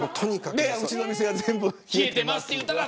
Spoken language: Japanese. うちの店は全部、冷えてますと言われたら。